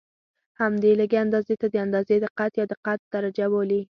همدې لږې اندازې ته د اندازې دقت یا دقت درجه بولي.